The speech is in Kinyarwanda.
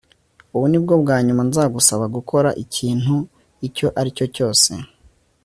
ubu ni bwo bwa nyuma nzagusaba gukora ikintu icyo ari cyo cyose